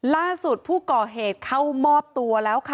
ล่าสุดผู้ก่อเหตุเข้ามอบตัวแล้วค่ะ